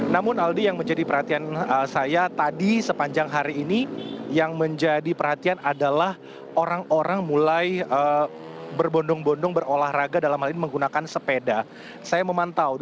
namun aldi yang menjadi perhatian saya tadi sepanjang hari ini yang menjadi perhatian adalah orang orang mulai berbondong bondong berolahraga dalam hal ini menggunakan sepeda